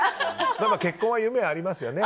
結婚は夢ありますよね。